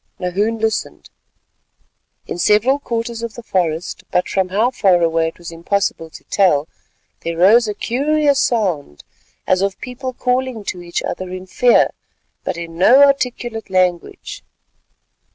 Nahoon listened. In several quarters of the forest, but from how far away it was impossible to tell, there rose a curious sound, as of people calling to each other in fear but in no articulate language.